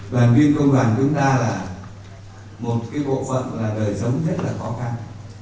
đoàn viên công đoàn chúng ta là một cái bộ phận là đời sống rất là khó khăn